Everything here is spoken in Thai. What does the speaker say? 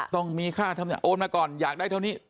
ต้องมีค่าธรรมโอนมาก่อนอยากได้เท่านี้